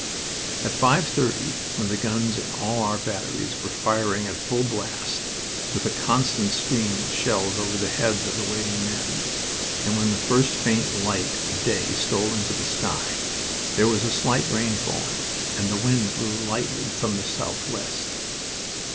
At five thirty, when the guns in all our batteries were firing at full blast, with a constant scream of shells over the heads of the waiting men, and when the first faint light of day stole into the sky, there was a slight rain falling, and the wind blew lightly from the southwest.